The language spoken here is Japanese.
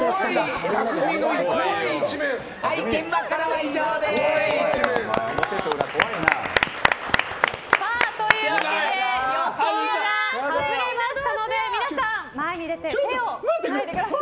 はい、現場からは以上です！というわけで予想が外れましたので皆さん手をつないでください。